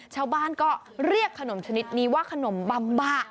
ชาวบ้านก็เรียกขนมชนิดนี้ว่าขนมบำบะ